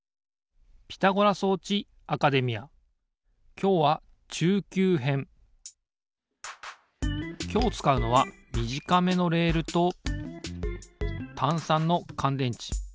きょうはきょうつかうのはみじかめのレールとたん３のかんでんち。